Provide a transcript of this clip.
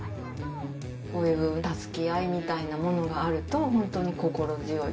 こういう助け合いみたいなものがあると本当に心強い。